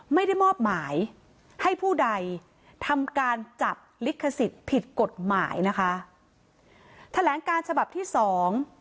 ไม่ได้มอบหมายให้ผู้ใดทำการจับลิขสิทธิ์ผิดกฎหมายนะคะแถลงการฉบับที่สอง